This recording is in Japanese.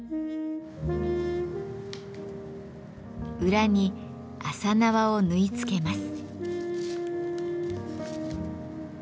裏に麻縄を縫い付けます。